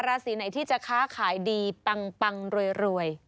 ราศีไหนที่จะค้าขายดีปังรวย